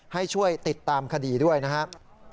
ให้ช่วยติดตามคดีด้วยนะครับ